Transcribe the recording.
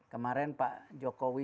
kemarin pak jokowi